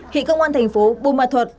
hị công an thành phố bù mà thuật